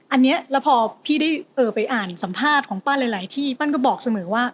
อันนี้แล้วพอพี่ได้ไปอ่านสัมภาษณ์ของปั้นหลายที่ปั้นก็บอกเสมอว่า